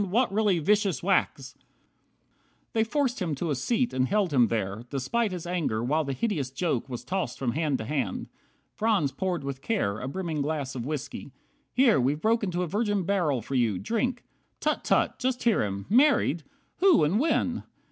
What really vicious whacks!" 50 They forced him to a seat, and held him there, Despite his anger, while the hideous joke Was tossed from hand to hand. Franz poured with care A brimming glass of whiskey. "Here, we've broke Into a virgin barrel for you, drink! Tut! Tut! Just hear him! Married! Who, and when?